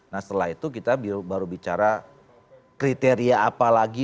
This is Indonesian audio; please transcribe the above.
nah setelah itu kita baru bicara kriteria apa lagi